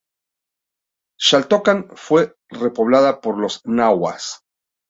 Xaltocan fue repoblada por los nahuas.